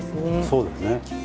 そうですね。